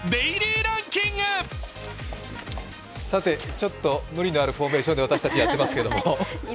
ちょっと無理のあるフォーメーションで私たち、やっていますけど。